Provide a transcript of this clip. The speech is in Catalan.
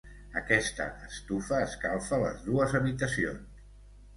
Aquesta estufa escalfa les dues habitacions.